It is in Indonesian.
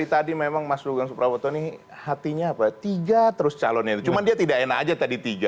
tadi memang mas rugeng suprawoto ini hatinya apa tiga terus calonnya itu cuma dia tidak enak aja tadi tiga